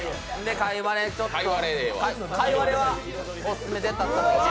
カイワレはオススメで。